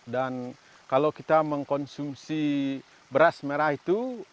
dan kalau kita mengkonsumsi beras merah itu